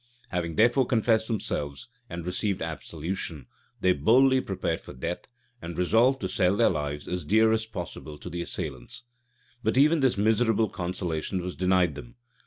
Having therefore confessed themselves, and received absolution, they boldly prepared for death, and resolved to sell their lives as dear as possible to the assailants. But even this miserable consolation was denied them.